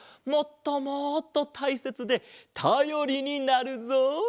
もっともっとたいせつでたよりになるぞ。